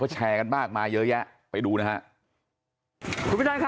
เขาแชร์กันบ้างมาเยอะแยะไปดูนะฮะคุณผู้ชายครับ